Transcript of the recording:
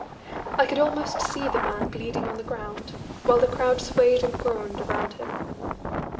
I could almost see the man bleeding on the ground, while the crowd swayed and groaned around him.